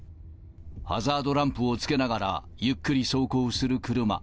ハザードランプをつけながら、ゆっくり走行する車。